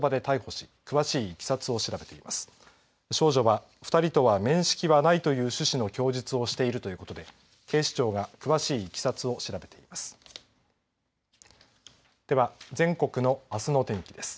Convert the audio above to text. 少女は２人とは面識はないという趣旨の供述をしているということで警視庁が詳しいいきさつを調べています。